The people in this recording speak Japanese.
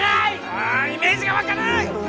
あイメージがわかない！